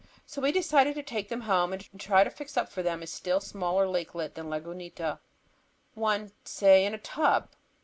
So we decided to take them home, and try to fix up for them a still smaller lakelet than Lagunita; one, say, in a tub!